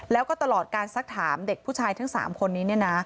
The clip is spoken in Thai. แล้วก็ตลอดการสักถามเด็กผู้ชายทั้ง๓คนนี้